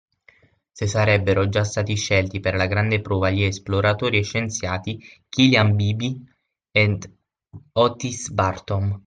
Se sarebbero già stati scelti per la grande prova gli esploratori e scienziati Killiam Beebe ed Otis Bartom